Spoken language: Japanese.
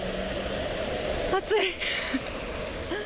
暑い。